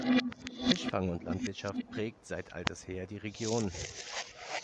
Fischfang und Landwirtschaft prägt seit alters her die Region.